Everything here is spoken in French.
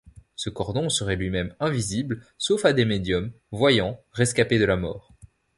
Ce cordon serait lui-même invisible... sauf à des médiums, voyants, rescapés de la mort.